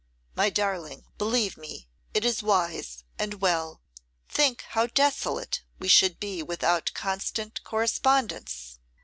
'My darling, believe me, it is wise and well. Think how desolate we should be without constant correspondence.